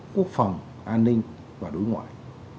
quốc phòng an ninh và đối ngoại